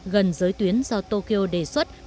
gần giới tuyến do tokyo đề xuất